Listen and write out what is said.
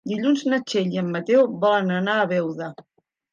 Dilluns na Txell i en Mateu volen anar a Beuda.